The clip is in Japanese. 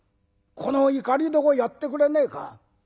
このいかり床やってくれねえか？